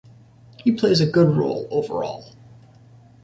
He plays a good role overall.